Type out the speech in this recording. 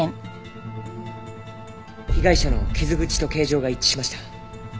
被害者の傷口と形状が一致しました。